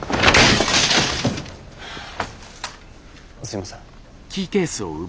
すいません。